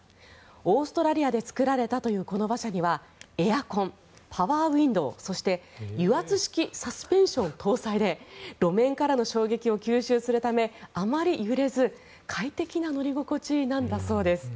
オーストラリアで作られたというこの馬車にはエアコン、パワーウィンドーそして油圧式サスペンション搭載で路面からの衝撃を吸収するためあまり揺れず快適な乗り心地なんだそうです。